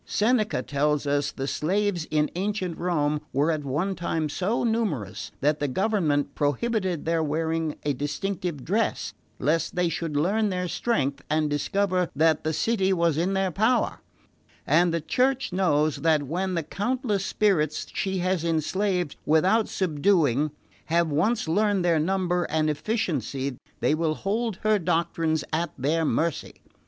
Seneca tells us the slaves in ancient Rome were at one time so numerous that the government prohibited their wearing a distinctive dress lest they should learn their strength and discover that the city was in their power; and the Church knows that when the countless spirits she has enslaved without subduing have once learned their number and efficiency they will hold her doctrines at their mercy.